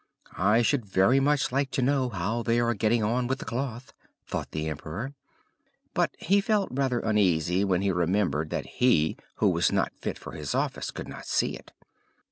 "I should very much like to know how they are getting on with the cloth," thought the emperor. But he felt rather uneasy when he remembered that he who was not fit for his office could not see it.